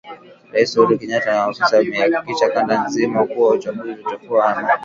Rais Uhuru Kenyatta na maafisa wake wameihakikishia kanda nzima kuwa uchaguzi utakuwa wa amani.